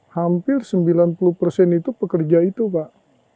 hampir sembilan puluh persen itu pekerja itu pak